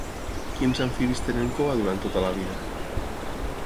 Quins amfibis tenen cua durant tota la vida?